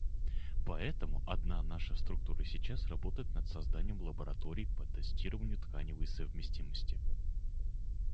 Поэтому одна наша структура сейчас работает над созданием лаборатории по тестированию тканевой совместимости.